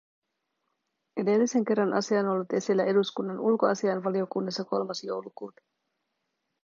Edellisen kerran asia on ollut esillä eduskunnan ulkoasiainvaliokunnassa kolmas joulukuuta.